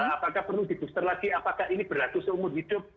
apakah perlu dibuster lagi apakah ini berlaku seumur hidup